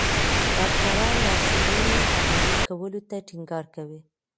ډاکټران لارښوونې عملي کولو ته ټینګار کوي.